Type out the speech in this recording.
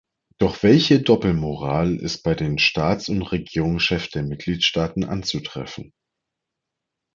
Doch welche Doppelmoral ist bei den Staats- und Regierungschefs der Mitgliedstaaten anzutreffen?